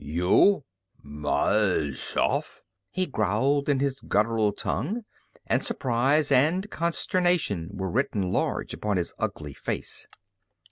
"You, Mal Shaff?" he growled in his guttural tongue, and surprise and consternation were written large upon his ugly face.